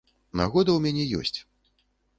Нагода ў мяне ёсць.